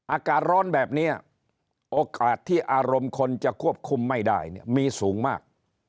อากาศร้อนแบบนี้โอกาสที่อารมณ์คนจะควบคุมไม่ได้เนี่ยมีสูงมาก